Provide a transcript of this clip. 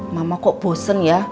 mama kok bosen ya